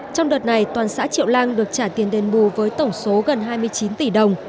trong đợt này toàn xã triệu lang được trả tiền đền bù với tổng số gần hai mươi chín tỷ đồng